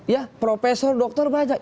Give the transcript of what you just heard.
ya profesor dokter banyak